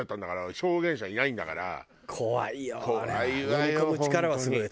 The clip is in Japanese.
のみ込む力はすごいよ